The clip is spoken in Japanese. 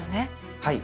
はい。